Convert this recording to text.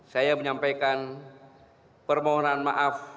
saya menyampaikan permohonan maaf